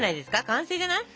完成じゃない？